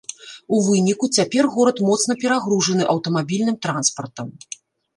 У выніку, цяпер горад моцна перагружаны аўтамабільным транспартам.